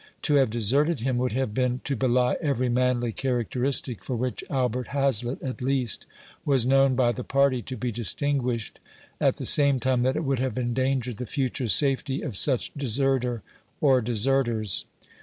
To have deserted him would have been to belie every manly characteristic for which Albert Hazlett, at least, was known by the party to be distinguished, at the same time that it would have endangered the future safety of such deserter or deserters.